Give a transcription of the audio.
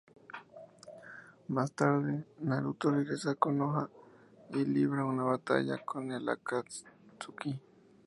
Más tarde, Naruto regresa a Konoha y libra una batalla con el Akatsuki.